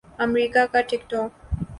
امریکا کا ٹک ٹاک